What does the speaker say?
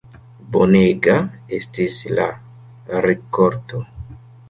Bonega estis la rikolto.